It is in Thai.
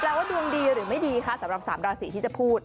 แล้วว่าดวงดีหรือไม่ดีคะสำหรับ๓ราศีที่จะพูด